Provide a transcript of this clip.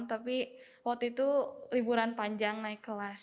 tapi waktu itu liburan panjang naik kelas